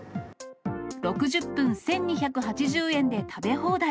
６０分１２８０円で食べ放題。